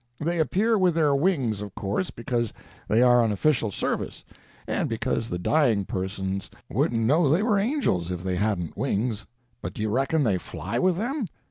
They appear with their wings, of course, because they are on official service, and because the dying persons wouldn't know they were angels if they hadn't wings—but do you reckon they fly with them?